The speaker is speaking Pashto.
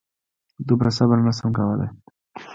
دومره صبر نه شم کولی.